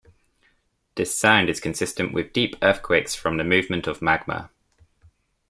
This sound is consistent with deep earthquakes from the movement of magma.